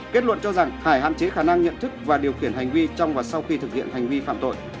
kết luận cho rằng hải hạn chế khả năng nhận thức và điều khiển hành vi trong và sau khi thực hiện hành vi phạm tội